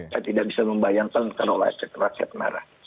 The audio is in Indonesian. saya tidak bisa membayangkan kalau rakyat marah